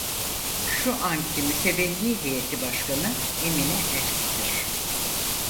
Şu anki mütevelli heyeti başkanı Emine Erk'tir.